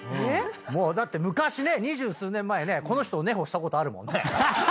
だって昔ね二十数年前ねこの人寝歩したことあるもんね。